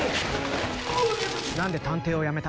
何で探偵をやめた？